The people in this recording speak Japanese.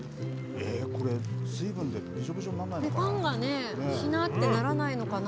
これ、水分でぐじょぐじょにならないのかな。